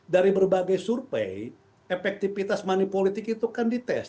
dari berbagai survei efektivitas money politik itu kan dites